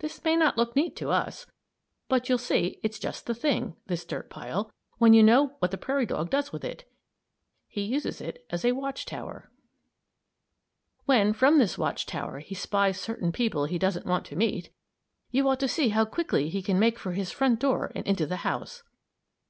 This may not look neat to us, but you'll see it's just the thing this dirt pile when you know what the prairie dog does with it. He uses it as a watch tower. When, from this watch tower, he spies certain people he doesn't want to meet, you ought to see how quickly he can make for his front door and into the house!